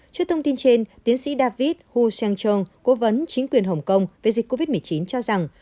trước thông tin trên tiến sĩ david hu jeeng chong cố vấn chính quyền hồng kông về dịch covid một mươi chín cho rằng